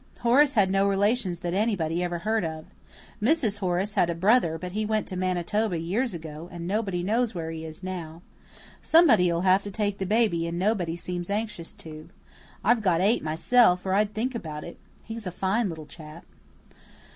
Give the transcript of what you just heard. Horace had no relatives that anybody ever heard of. Mrs. Horace had a brother; but he went to Manitoba years ago, and nobody knows where he is now. Somebody'll have to take the baby and nobody seems anxious to. I've got eight myself, or I'd think about it. He's a fine little chap."